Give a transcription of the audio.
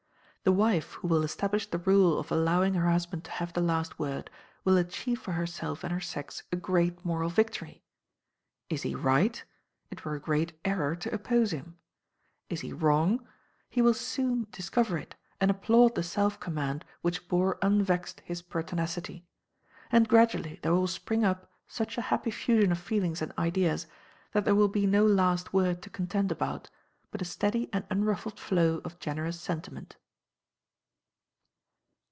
The wife who will establish the rule of allowing her husband to have the last word, will achieve for herself and her sex a great moral victory! Is he right? it were a great error to oppose him. Is he wrong? he will soon discover it, and applaud the self command which bore unvexed his pertinacity. And gradually there will spring up such a happy fusion of feelings and ideas, that there will be no "last word" to contend about, but a steady and unruffled flow of generous sentiment.